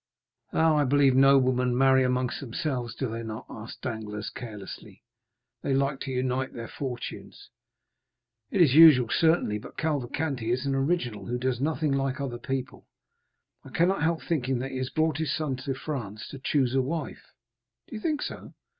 "Ah, I believe noblemen marry amongst themselves, do they not?" asked Danglars carelessly; "they like to unite their fortunes." "It is usual, certainly; but Cavalcanti is an original who does nothing like other people. I cannot help thinking that he has brought his son to France to choose a wife." "Do you think so?"